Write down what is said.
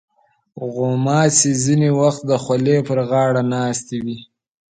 غوماشې ځینې وخت د خولې پر غاړه ناستې وي.